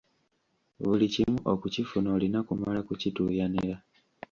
Buli kimu okukifuna olina kumala kukituuyanira.